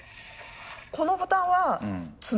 このボタンは角。